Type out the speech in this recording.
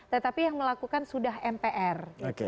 tetapi yang melakukan sudah mpr